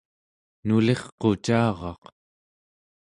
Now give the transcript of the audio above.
nulirqucaraq